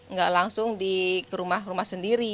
nggak langsung di rumah rumah sendiri